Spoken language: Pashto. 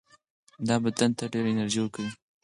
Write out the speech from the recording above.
دا بدن ته ډېره انرژي ورکوي.